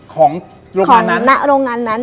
ของโรงงานนั้น